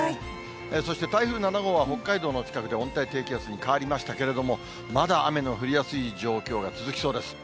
そして、台風７号は北海道の近くで温帯低気圧に変わりましたけれども、まだ雨の降りやすい状況が続きそうです。